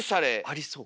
ありそう。